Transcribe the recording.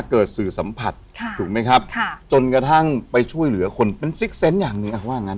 สื่อสัมผัสถูกไหมครับจนกระทั่งไปช่วยเหลือคนเป็นซิกเซนต์อย่างหนึ่งว่างั้น